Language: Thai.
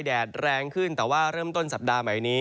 แดดแรงขึ้นแต่ว่าเริ่มต้นสัปดาห์ใหม่นี้